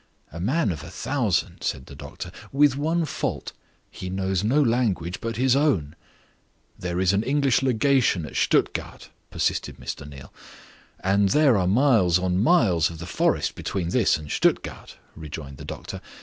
"A man of a thousand," said the doctor. "With one fault he knows no language but his own." "There is an English legation at Stuttgart," persisted Mr. Neal. "And there are miles on miles of the forest between this and Stuttgart," rejoined the doctor.